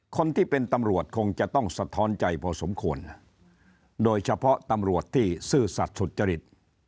คนที่เป็นตำรวจคงจะต้องสะท้อนใจพอสมควรโดยเฉพาะตำรวจที่ซื่อสัตว์สุจริต